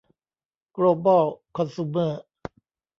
โกลบอล คอนซูเมอร์